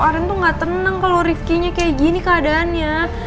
arin tuh gak tenang kalo rifkinya kayak gini keadaannya